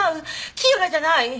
キヨラじゃない！